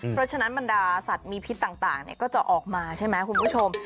เพราะฉะนั้นบรรดาสัตว์มีพิษต่างก็จะออกมาใช่ไหมคุณผู้ชม